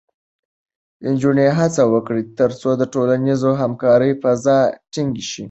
نجونې هڅه وکړي، ترڅو د ټولنیزې همکارۍ فضا ټینګې شي.